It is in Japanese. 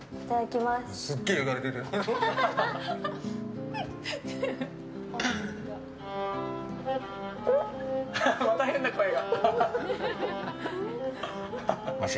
また変な声が。